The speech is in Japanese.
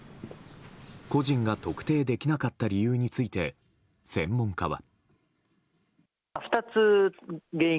個人が特定できなかった理由について専門家は。